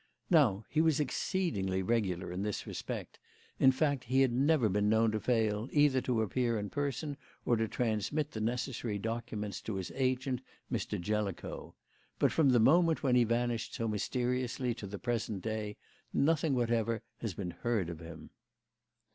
Now, he was exceedingly regular in this respect; in fact, he had never been known to fail, either to appear in person or to transmit the necessary documents to his agent, Mr. Jellicoe. But from the moment when he vanished so mysteriously to the present day, nothing whatever has been heard of him."